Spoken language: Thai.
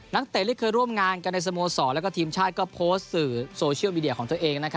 เตะที่เคยร่วมงานกันในสโมสรและทีมชาติก็โพสต์สื่อโซเชียลมีเดียของตัวเอง